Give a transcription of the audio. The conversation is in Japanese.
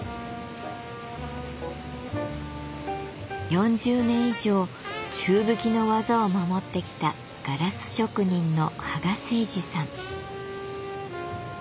４０年以上宙吹きの技を守ってきたガラス職人の芳賀清二さん。